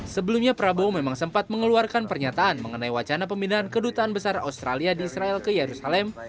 sebelumnya prabowo memang sempat mengeluarkan pernyataan mengenai wacana pemindahan kedutaan besar australia di israel ke yerusalem